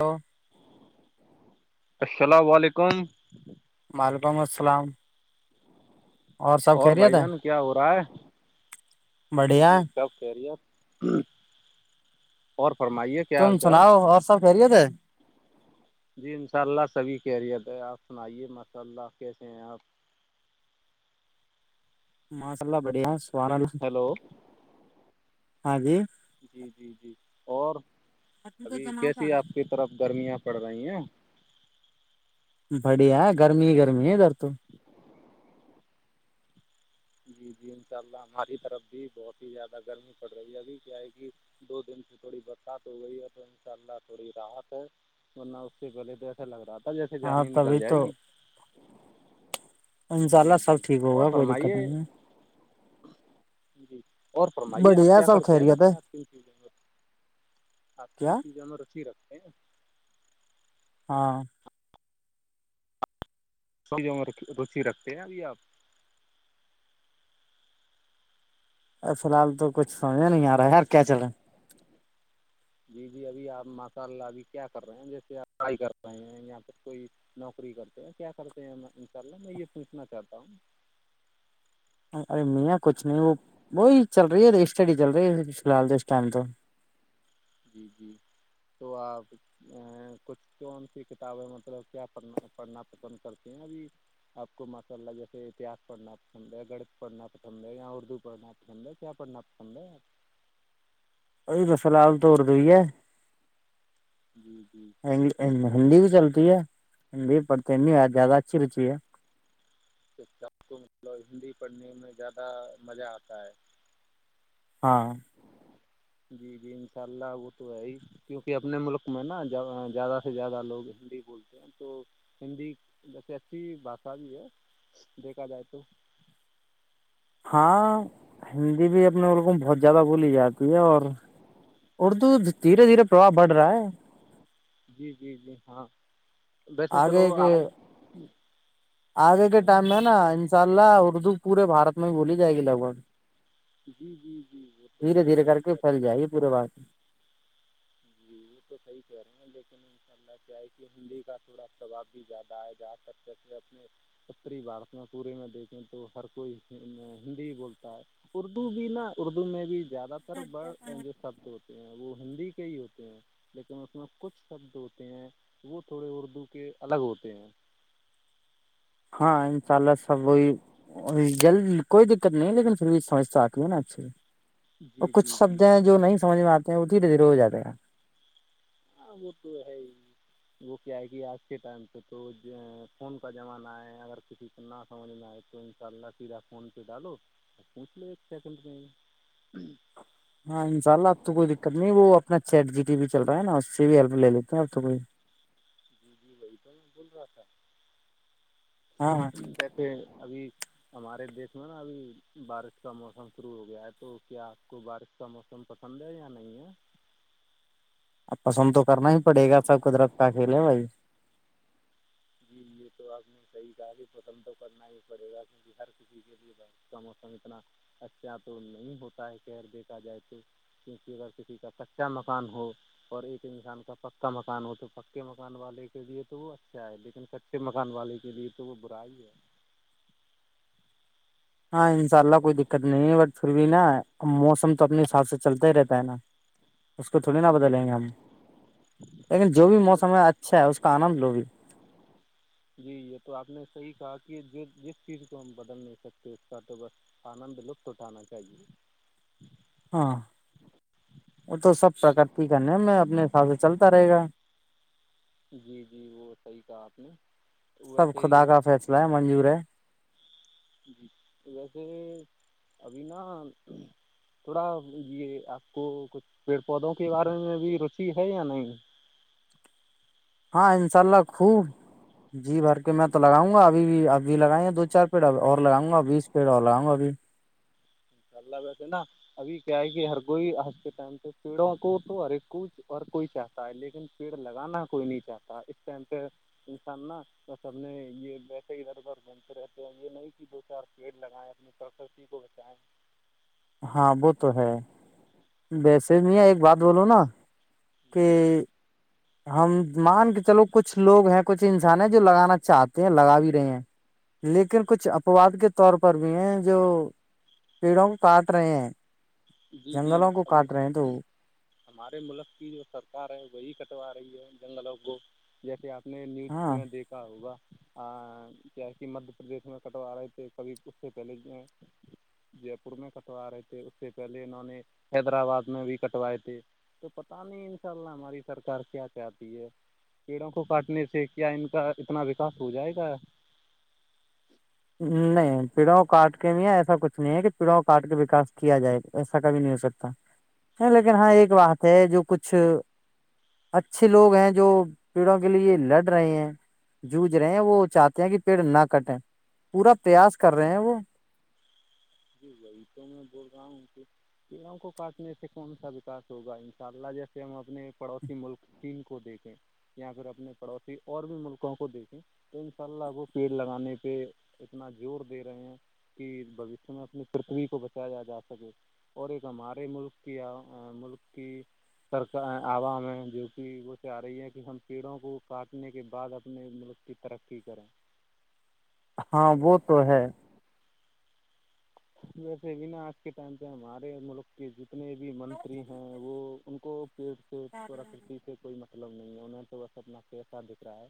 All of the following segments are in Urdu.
ہ السلام علیکم وعلیکم السلام سب اور خیریت بھائی ہے جان کیا ہو رہا ہے جی بڑھیا جی جاب کیریئر اور فرمائیے کیا تم حال چال سناؤ اور سب فیریے تھ جی انشاء اللہ سبھی کییریت ہے آپ سنائیے ماشاء اللہ کیسے ہیں آپ ماسء اللہ بڑھیا سوار ہیلو ہاں جی جی جی جی اور ابھی کیسی آپ کی طرف گرمیاں پڑ رہی ہیں بڑیا گرمی گرمی در توو جی جی انشاء اللہ ہماری طرف بھی بہت ہی زیادہ گرمی پڑ رہی ہے ابھی کیا ہے کہ دو دن سے تھوڑی برسات ہو گئی ہے تو ان شاء اللہ تھوڑی راحت ہے ورنہ اس سے پہلے د اچھا لگ رہا تھا جیسے ہاں جانی نکل تبھی جائے تو گی انشاء اللہ جی سب جی ٹھیک اور ہوگا کوئی دقت فرمائیے نہیں ہے جی اور فرمائیے آپ بڑھیا کیا سب کرتے ہیں خیریت ہے ویسے آپ کن چیزیں میں آپ تین کیا چیزوں میں رچ رکھتے ہیں ہاں رو روچی رکھتے ہیں ابھی آپ ار فی الحال تو کچھ سمجے نہیں آ رہا ہے یار کیا چلے جی جی ابھی آپ ماشاء اللہ ابھی کیا کر رہے ہیں جیسے آپ فرائی کر رہے ہیں یااں پھر کوئی نوکری کرتے ہیں کیا کرتے ہیں ہم انشاء اللہ میں یہ پوچھنا چاہتا ہوں ارےیاں کچ نہیں وہ وہی چل رہی ہے ا اسٹڈی چل رہی ہے فی الحال اس ٹائم تو جی جی تو آپ ا کچھ کون سی کتابیں مطلب کیا پڑھنا پڑھنا پسند کرتی ہیں ابھی آپ کو ماشاء اللہ جیسے اتہاس پڑھنا پسند ڑت پڑھنا پسند ہے یا اردو پڑھنا پسند ہے کیا پڑھنا ہمند ا فلحال تو اردو ہی ہے آپ؟ جی جی ہندی بھی چلتی ہندی پڑھتے زیادہ اچھی رچی ہے پ کو ملو ہندی پڑھنے میں زیادہ مزہ آتا ہے ہاں جی جی انشاء اللہ وہ تو ہے ہی کیونکہ اپنے ملک میں نا زیادہ سے زیادہ لوگ ہندی بولتے تو ہندی جیسے اچھی بھاشا بھی ہے دیکھا جائے تو ہاں ہندی بھی اپنے لگوں بہت زیادہ بولی جاتی ہے اور اردو دھیرے دھیرے پرباؤ پڑ رہا ہے جی جی جی ہاں ویسے چلو آگے کے آج آگے کے ہاں ٹائم میں نا انشاء اللہ اردو پورے بھارت میں ہی بولی جائے گی لگ بھگ جی جی جی وہ تو دھیرے دھیرے صحیح کر کہہ کے پل جائے گ پورے بس جی وہ تو صحیح کہہ رہے ہیں لیکن اللہ کیا ہے کہ ہندی کا تھوڑا ثواب بھی زیادہ آئے جا سکتےسے اپنے اتری بھارت میں پورے میں دیکھیں تو ہر کوئی ہندی ہی بولتا ہے اردو بھی نا اردو میں بھی زیادہ تر بڑ جو شبد ہوتے ہیں وہ ہندی سے ہی ہوتے ہیں لیکن اس میں کچھ شبد ہوتے ہیں وہ تھوڑے اردو کے الگ ہوتے ہیں ہاں انشاء اللہ سبی جلد کوئی دقت نہیں لیکن پھر بھی سمسھ آتی ہے نا اچھیے تو جی کھ جی شبد جی ہیں جو نہیں سمجھ میں آتے ہیں وہ دھیرے دھیرے ہو جاتے ہیںا آ وہ تو ہے وہ کیا ہے کہ آج کے ٹائم پہ تو فون کا زمانہ ہے اگر کسی نا سمج میں آئے تو ان شاء اللہ تیرا فون پہ ڈالو ا کونچو س کوٹ نہیں ہاں انشاء اللہ اب تو کوئی دقت نہیں وہ اپنا چیٹ جی ٹی بھی چ رہا ہے نا اس سے بھی ہیلپ لے لیتے ہیں اب تو کوئی جی جی وہی تو نہیں بول رہا ہاں تھاسے ابھی ہمارے دیش میں نا ابھی بارش کا موسم شروع ہو گیا ہے تو کیا آپ کو بارش کا موسم تم پسند ہے یا نہیں ہے اب پسند تو کرنا ہی پڑے گا سب قدرت کا کھیلے بھائی جی یہ تو آنے صحیح کاار ہی خسم تو کرنا ہی پڑے گا کیونکہ ہر کسی کے لیے کا موسم اتنا اچھا تو نہیں ہوتا ہے کہہر دیکھا جائے تو کیونکہ اگر کسی کا کچا مکان ہو اور ایک انسان کا پکا مکان ہو تو پکے مکان والے کے لیے تو وہ اچھا ہے لیکن لیکن کچے مکان والے کے لیے تو وہ برا ہی ہے ہاں انشاء اللہ کوئی دقت نہیں ہے بٹ پھر بھی نا موسم تو اپنے حساب سے چلتا ہی رہتا ہے نا اس کو تھوڑی نا جی بدلیں جی گے ہم لیکن جو بھی نہیں وہ موسم تو ہے اچھا ہے اس کا آنند لو بھی جی یہ تو آپ نے صحیح کہا کہ ج جس چیز کو ہم بدل نہیں سکتے اس کا تو بس آنند لطف اٹھانا چاہیے ہاں وہ تو سب پرکرتی کا نم ہے اپنے حساب سے چلتا رہے گا جی جی وہ صحیح کہا آپ نے سب خدا کا فیصلہ ہے منجور ہے جی ویسے ابھی نا تھوڑا یہ آپ کو کچھ پیڑ پودوں کے بارے میں بھی روچی ہے یا نہیں ہاں انشاء اللہ خوب جی بھر کے میں تو انشاء لگاؤں گا اب بھی ابھی لگائے دو چار پیڑ ا اور لگؤں گا بیس پیڑ اور لگاؤںا ابھی چلہ بیسے نا ابھی کیا ہے کہ ہر کوئی آج کے ٹائم سے پیڑوں کو تو ہر ایک کو ہر کوئی چاہ تا لیکن پیڑ لگانا کوئی نہیں چاہتا اس ٹائم پہ انسان نا بسبنے یہ بییسے اودھر ادھر رہتے ہیں یہ نہیں کہ دو چار پیڑ لگائیں اپنی پرکسی کو بچائیں ہاں وہ تو ہے ویسے بھییا ایک بات بولو نا جی کہ ہم مان کے چلو کچھ لوگ ہیں کچھ انسان ہے جو لگانا چاہتے ہیں لگا بھی رہے ہیں لیکن کچھ اپواد کے طور پر بھی ہیں جو پیڑوں کو کاٹ رہے ہیں جی جی جنگلوں کو ابھی کاٹ رہے ہیں تو ہمارے ملک کی جو سرکار ہے وہی کٹوا رہی ہے جنگلوں کو جیسے آپ نے نیوز ہاں میں دیکھ ہوگا کیا کہ مدہ پردیش میں کٹوا آ رہے تھے کبھی اس سے پہلے جے پور میں کٹوا رہے تھے اس سے پہلے انہوں نے حیدرآباد میں بھی کٹوائے تھے تو پتا نہیں ان شاء اللہ ہماری سرکار کیا چاہتی ہے پیڑوں کو کاٹنے سے کیا ان کا اتنا وکاس ہو جائے گا نہیں پیڑوںں کاٹ کے بھی ایسا کچھ نہیں ہے کہ پیڑوں کاٹ کے وکاس کیا جائے ایسا کبھی نہیں ہو سکتا لیکن ہاں جی ایک بات ہے جو کچھ اچھے لوگ ہیں جو پیڑوں کے لیے لڑ رہے ہیں جوجھ رہے ہیں وہ چاہتے ہیں کہ پیڑ نہ کٹیں پورا پریاس کر رہے ہیں وہ جی وہی تو میں بول رہا ہوں کہ پڑوں کو کاٹنے سے کون سا وکاس ہوگا ان شاء اللہ جیسے ہم اپنے پڑوسی ملک چین کو دیکھیں یا پھر اپنے پڑوسی اور بھی ملکوں کو دیکھیں تو ان شاء اللہ کو پیڑ لگانے پہ اتنا زور دے رہے ہیں کہ اس میں اپنی پرتھوی کو بچایا جا سکے اور ایک ہمارے ملک کی ملک کی سرک عوام ہیں جو کہہ وہ سے آ رہی ہے کہ ہم پیڑوں کو کاٹنے کے بعد اپنے مطلب کی ترقی کریں ہاں وہ تو ہے ویسے بنا آج کے ٹائم پ ہمارے ملک کے جتنے بھی منتری ہیں وہ ان کو پیٹ سے پراکتی سے کوئی م مطلب نہیں ہے انہیں تو بس اپنا کییسہ دکھ رہا ہے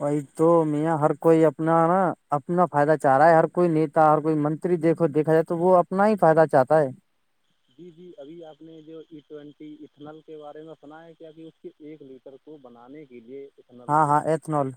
وہی تو میاں ہر کوئی اپنا نا اپنا فائدہ چاہ رہا ہے ہر کوئی نیٹ اور کوئی منتری دیکھو دیکھا جائے تو وہ اپنا ہی فائدہ چاہتا ہے جی جی ابھی آپ نے جو ای ٹوینٹی اتھنل کے بارے میں سنایا ہے کیا کہ ایک لیٹر کو بنانے کے لئے اتنل ہاں کو ہاں ایتھنول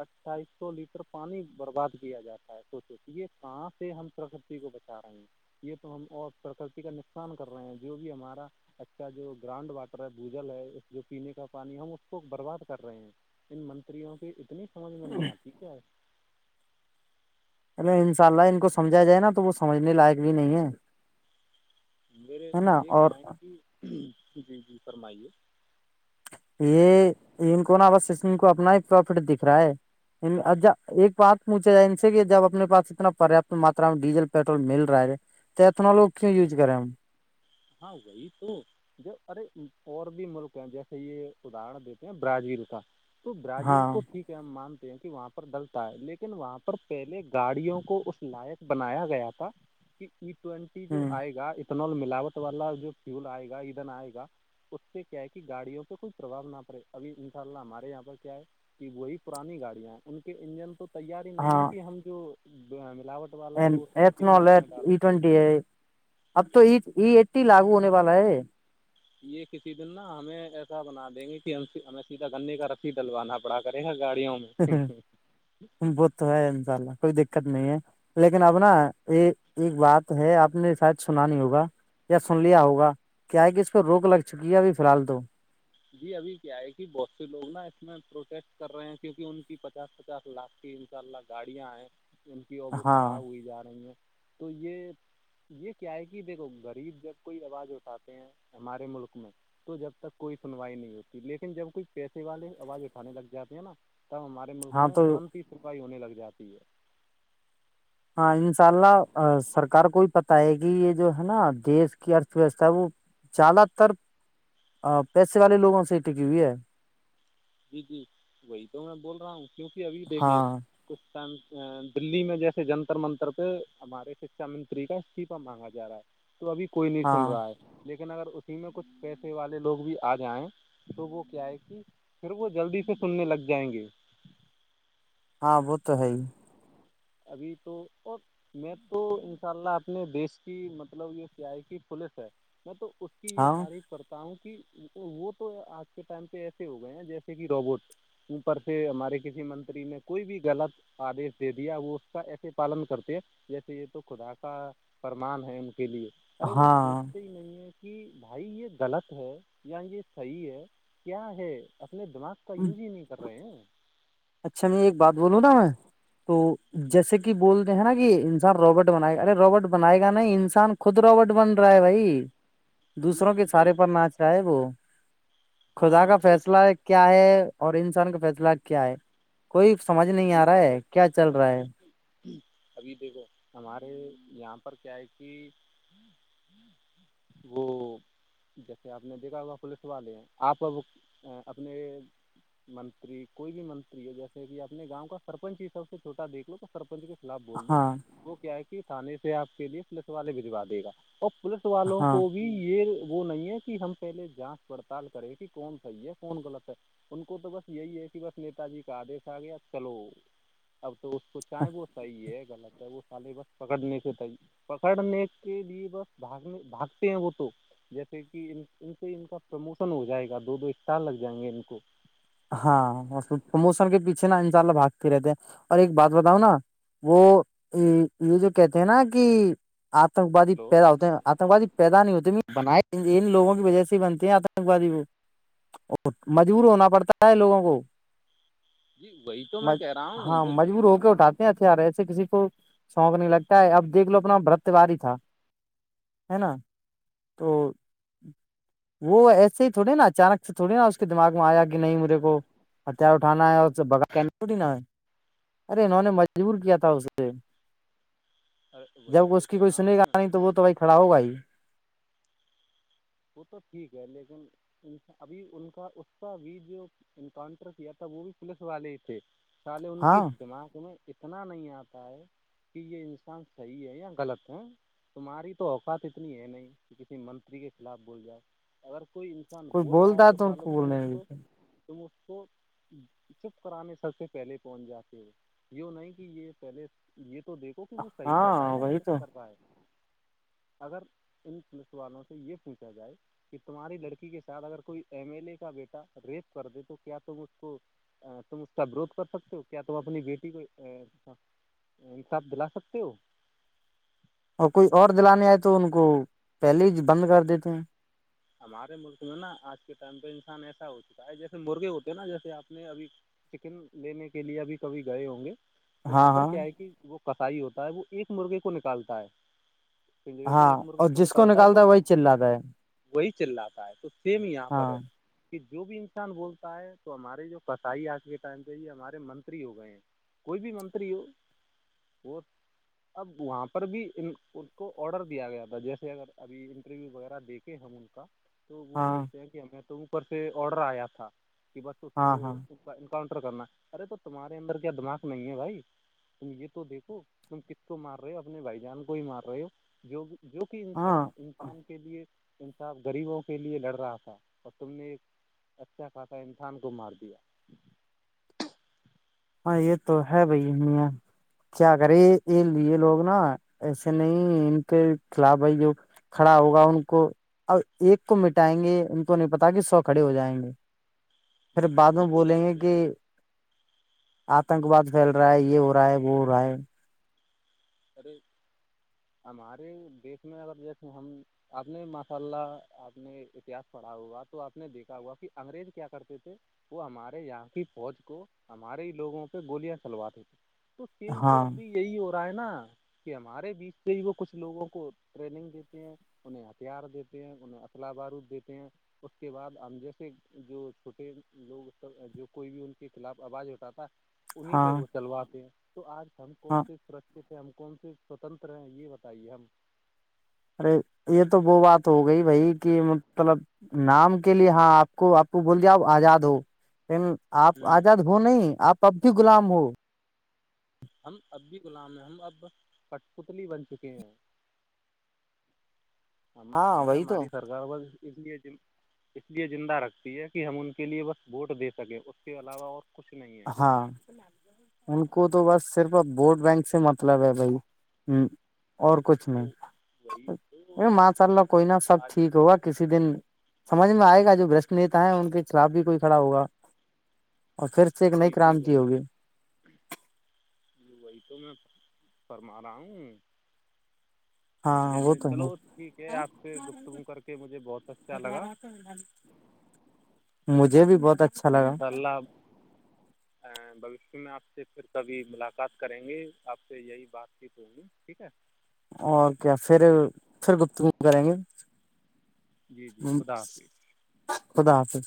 اٹھائیس سو لیٹر پانی برباد کیا جاتا ہے سوچو کہ یہ کہاں سے ہم پرکتی کو بچا رہے ہیں یہ تو ہم اور پرکرتی کا نقصان کر رہے ہیں جو بھی ہمارا اچھا جو گراؤنڈ واٹر ہے بوجل ہے جو پینے کا پانی ہے ہم اس کو برباد کر رہے ہیں ان منتریوں کی اتنی سمجھ میں نہیں آتی کیا چلو ان شاء اللہ ان کو سمجھا جائے نا تو وہ سجھنے لائق بھی نہیں ہے میرے ہے نا یہ اور کیا ہے کہ جی جی فرمائیے یہ ان کو نا بس کو اپنا ہی پروفٹ دکھ رہا ہے اھا ایک بات پوچھا جائے ان سے کہ جب اپنے پس اتنا پریاپت ماترا میں ڈیزل پیٹرول مل رہا ہے تو اتنا لگ کیوں یوز کریں ہم ہاں وہی تو ج ارے اور بھی ملک ہیں جیسے یہ ادرن دیتے ہیں برازیل کا تو برازیل ہاں کو ٹھیک ہم مانتے ہیں کہ وہاں پر ڈلتا ہے لیکن وہاں پر پہلے گاڑیوں کو اس لائق بنایا گیا تھا کہ ای ٹوینٹی ہ جو آئے گا اتنال ملاوٹ والا جو فیول آئے گا ادن آئے گا اس سے کیا ہے کہ گاڑیوں پہ کوئی پربھؤ نہ پڑے ابھی ان شاء اللہ ہمارے یہاں پر کیا ہے کہ وہی پرانی گاڑیاں ہیں ان کے انجن تو تیار ہی نہیں ہے کہ ہم جو ملاوٹ والا وہ ایتن ادھن اس میں ای ڈالیں تھے ٹوینٹی ای اب تو ای ایٹی لاگو ہونے والا ہے یہ کسی دن نا ہمیں ایسا بنا دیں گے کہ ہم ہمیں سیدھا گنے کا رسی ڈلوانا پڑا کرے گا گاڑیوں میں ب تو ہے انشاء اللہ کوئی دقت نہیں ہے لیکن اب نا یہ ایک بات ہے آپ نے شاید سنا نہیں ہوگا یا سن لیا ہوگا کیا ہے کہ اس پہ روک لگ چکی ہے ابھی فی الحال تو جی ابھی کیا ہے کہ بہت سے لوگ نا اس میں پروٹسٹ کر رہے ہیں کیونکہ ان کی پچاس پچاس لاکھ ان شاء اللہ گاڑیاں آئے ان کی اور وہ ہاں خراب ہوئی جا رہی ہیں تو یہ یہ کیا ہے کہ دیکھو غریب جب کوئی آواز اٹھاتے ہیں ہمارے ملک میں تو جب تک کوئی سنوائی نہیں ہوتی لیکن جب کوئی پیسے والے آواز اٹھانے لگ جاتے ہیں نا تب ہمارے ملک ہاں میں تو ترنت ہی سنائی ہونے لگ جاتی ہے ہاں انشاء اللہ سرکار کو بھی پتا ہے کہ یہ جو ہے نا دیش کی ارتھ ویوستھا وہ زیادہ تر پیسے والے لوگوں سے ہی ٹکی ہوئی ہے جی جی وہی تو میں بول رہا ہوں کیوںکہ ابھی دیکھیے ہاں کچھ ٹائم دللی میں جیسے جنتر منتر پہ ہمارے شکچھا منتری کا استیفہ مانگا جا رہا ہے تو ابھی کوئی نہیں سن ہاں رہا ہے لیکن اگر اسی میں کچھ پیسے والے لوگ بھی آ جائیں تو وہ کیا ہے کہ پھر وہ جلدی سے سننے لگ جائیں گے ہاں وہ تو ہے ہی ابھی تو اور میں تو ان شاء اللہ اپنے دیش کی مطلب یہ سیائی کی پوولس ہے میں تو اس کی یہ ہاں تعریف کرتا ہوں کہ وہ تو آج کے ٹائم پہ ایسے ہو گئے ہیں جیسے کہ روبوٹ اوپر سے ہمارے کسی منتری میں کوئی بھی غلط آدیش دے دیا وہ اس کا ایسے پالن کرتے ہیں جیسے یہ تو خدا کا فرمان ہے ان کے لیے ارے وہ ہاں سوچتے ہی نہیں ہے کہ بھائی یہ غلط ہے یا یہ صحیح ہے کیا ہے اپنے دماغ اس کا یوز ہی نہیں کر رہے ہیں اچھا میں ایک بات بولوں نا میں تو جی جیسے کہ کہ بولتے ہیں نا کہ انسان روبٹ بنائے گا ارے روبٹ بنائے گا نہیں انسان خود روبٹ بن رہا ہے بھائی جی دوسروں کے جی سارے وہی پر نہچ رہ ہے وہ خدا کا ہاں وہی تو فیصلہ میں ہے کیا ہے اور انسان کا فیصلہ کیا ہے کوئی سمجھ نہیں جی آ رہا ہے وہی تو کیا میں چل کہہ رہا ہے ہوں ابھی دیکھو ہمارے یہاں پر کیا ہے کہ وہ جیسے آپ نے دیکھا ہوا پولیس والے ہیں آپ اب اپنے منتری کوئی بھی منتری ہے جیسے بھی آپ اپنے گاں کا سرپنچ ہی سب سے چھوٹا دیکھ لو تو سرپنچ کے خلاف بول دو ہاں وہ کیا ہے تھے سے آپ کے لی پولیس والے بھجوا دے گا اور پولیس والوں ہاں کو بھی یہ وہ نہیں ہے کہ ہم پہلے جانچ پڑتال کرے کہ کون صحیح ہے کون غلط ہے ان کو تو بس یہی ہے کہ بس نیتا جی کا آدیش آ گیا چلو اب تو اس کو چاہیں وہ صحیح ہے غط ہے وہ سالے بس پکڑنے کے پکڑنے کے لیے بس بھاگنے بھاگتے ہیں وہ تو جیسے کہ ان سے ان کا پرموشن ہو جائے گا دو دو اسٹال لگ جائیں گے ان کو ہاں پرموشن کے پیچھے نا ان شاء اللہ بھاگتی رہتے اور ایک بات بتاؤ نا وہ یہ جو کہتے ہیں نا کہ آتنکوادی ہلو پیدا ہوتے ہیں آتنک وادی پیدا نہیں ہوتے بنائے ان لوگوں کی وجہ سے ہی بنتے ہیں آتنک وادی وہ اور مجبور ہونا پڑتا ہے لوگوں کو جی وہی تو میں کہہ رہا ہوں ہاں وہ مجبور ہو کے اٹھاتے ہتھیار ہے ایسے کسی کو شوق نہیں لگتا ہے اب دیکھ لو اپنا برت واری تھا ہے نا تو وہ ایسے ہی تھڑی نا اچانک سے تھوڑی نا اس کے دماغ میں آیا گیا نہیں میرے کو ہتھیار اٹھانا ہے اور باٹینا ارے انہوں نے مجبور کیا تھا اسے ارے وہی جب تو اس کی کہہ کوئی رہا ہوں سنے گا میں نہیں تو وہ تو بھائی کھڑا ہوا جی وہ تو ٹھیک ہے لیکن ابھی ان کا اس کا بھی جو انکاؤنٹر کیا تھا وہ بھی پولیس والے تھے چالے ان کی ہاں دماغ میں اتنا نہیں آتا ہے کہ یہ انسان صحیح ہے یا غلط ہے تمہاری تو اوقات اتنی ہے نہیں کہ کسی منتری کے خلاف بول جائے اگر کوئی انسان کوئی بھول رہا ہے بولتا تو ان کو خالت تم بولنے اسھ نہیں کو دیتے تم اسھ کو چپ کرانے سب سے پہلے پہنچ جاتے ہو یوں نہیں کہ یہ پہلے یہ تو دیکھ کہ وہ صحیح کر رہا ہے ہاں یا وہی تو غلط کر رہا ہے اگر ان پلیس والوں سے یہ پوچھا جائے کہ تمہاری لڑکی کے ساتھ اگر کوئی ایم ایل اے کا بیٹا ریپ کر دے تو کیا تم اس کو تم اس کا بوروھ کر سکتے ہو کیا تم اپنی بیٹی کو حساب دلا سکتے ہو اور کوئی اور دلانے آئے تو ان کو پہلے ہی بند کر دیتے ہیں ہمارے ملک میں نا آج کے ٹائم پہ انسان ایسا ہو چکا ہے جیسے مرغے ہوتے ہیں نا جیسے آپ نے ابھی چکن لینے کے لیے ابھی کبھی گئے ہوں گے تو ہاں وہاں پر ہاں کیا ہے کہ وہ کسائی ہوتا ہے وہ ایک مرغے کو نکالتا ہے پنجرے سے ہاں ایک مرغے اور جس کو نکالتا تو ہے وہی چ جاتا ہے وہی چل رہاتا ہے تو سیم یہاں پر ہاں ہے کہ جو بھی انسان بولتا ہے تو ہمارے جو کسائی آج کے ٹائم پہ یہ ہمارے منتری ہو گئے ہیں کوئی بھی منتری ہو اور اب وہاں پر بھی ان ان کو آڈر دیا گیا تھا جیسے اگر ابھی انٹرویو وغیرہ دیکھ ہم ان کا تو وہ ہاں بولتے ہیں کہ ہمیں تو اوپر سے آڈر آیا تھا کہ بس اس ہاں کو ہاں انکاؤنٹر کرنا ارے تو تمہارے اندر کیا دماغ نہیں ہے بھائی تم یہ تو دیکھو تم کس کو مار رہے ہو اپنے بھائی جان کو ہی مار رہے ہو جو جو کہ ہاں انصاف انسان کے لیے انصاف غریبوں کے لیے لڑ رہا تھا اور تم نے ایک اچھا خاصا انسان کو مار دیا ہاں یہ تو ہے بھائی میا کیا کرے یہ لیے لوگ نا ایسے نہیں ان کے خلاف بائی جو کھڑا ہوگا ان کو اب ایک کو مٹائیں گے ان کو نہیں پتا کہ سو کھڑے ہو جائیں گے پھر جی جی بعد ہو میں تو بولیں گے جاتے ہیں کہ آتنکواد پھیل رہا ہے یہ ہو رہا ہے وہ ہو رہا ہے ارے ہمارے دیش میں اگر دیکسے ہم آپ نے ماشاء اللہ آپ نے اتہاس پڑھا ہوا تو آپ نے دیکھا ہوا کہ انگریز کیا کرتے تھے وہ ہمارے یہاں کی فوج کو ہمارے ہی لوگوں پہ گولیاں چلواتے تھے تو سم تو ہاں ابھی یہی ہو رہا ہے نا کہ ہمارے بیچ سے ہی وہ کچھ لوگوں کو ٹریننگ دیتے ہیں انہیں ہتھیار دیتے ہیں انہیں اطلا بارود دیتے ہیں اس کے بعد ہم جیسے جو چھوٹے لوگ جو کوئی بھی ان کے خلاف آواز اٹاتا انہیں پہ ہاں وہ چلواتے ہیں تو آج ہم کون ہاں سےی سرکے سے ہم کون سے سوتنتر ہیں یہ بتائیے ہم ارے یہ تو وہ بات ہو گئی بھائی کہ مطلب نام کے لیے ہاں آپ کو آپ کو بول جیاؤ آزاد ہو پ آپ آزاد ہو نہیں آپ اب بھی غلام ہو ہم اب بھی غلام ہیں ہم اب پٹ پتلی بن چکے ہیں ہاں ہمیں وہی تو ہماری سرکار و ا لی اس لیے زندہ رکھتی ہے کہ ہم ان کے لیے بس ووٹ دے سکیں اس کے علاوہ اور کچھ نہیں ہے ہاں ان کو تو بس صرف ووٹ بینک سے مطلب ہے بھائی ہ اور کچھ تو وہی تو نہیں ماشاء اللہ کوئی نہ سب آج ٹھیک ہوا کسی دن سمجھ میں آئے گا جو برشٹ نتا ہے ان کے خلاف بھی کوئی کھڑا ہوگا اور پھر سے ایک جی نئی جی کرانتی وہی ہوگی وہی تو میں فرما رہا ہوں ہاں وہ جیسے تو ہے چلو ٹھیک ہے آپ سے گفتگو کر کے مجھے بہت اچھا لگا مجھے بھی بہت اچھا جی لگا انشاء اللہ بوشیہ میں آپ سے پھر کبھی ملاقات کریں گے آپ سے یہی بات چیت ہوںگی ٹھیک ہے او کیا پھر پھر گپت گ کریں گے جی جی خدا حافظ ہ خدا حافظ